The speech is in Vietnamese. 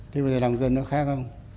thế bây giờ lòng dân nó khác không